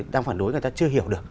đang phản đối người ta chưa hiểu được